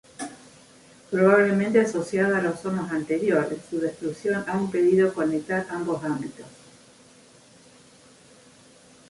Probablemente asociada a los hornos anteriores, su destrucción ha impedido conectar ambos ámbitos.